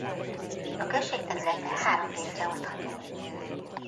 A község területe három részre osztható.